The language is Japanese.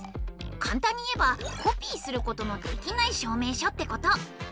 かんたんに言えばコピーすることのできない証明書ってこと。